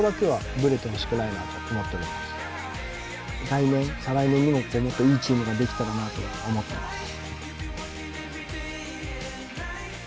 来年再来年にもっともっといいチームができたらなと思ってます